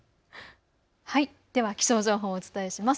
では気象情報をお伝えします。